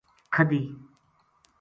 کھدی